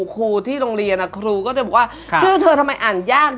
ครูที่โรงเรียนครูก็จะบอกว่าชื่อเธอทำไมอ่านยาก